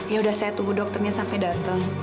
yaudah saya tunggu dokternya sampai datang